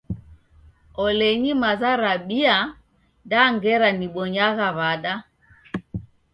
Olenyi maza rabia da ngera nibonyagha w'ada!